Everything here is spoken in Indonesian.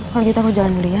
kalau dia tahu jangan beri ya